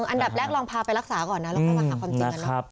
อันดับแรกลองพาไปรักษาก่อนนะแล้วก็มาหาความจริงกันเนอะ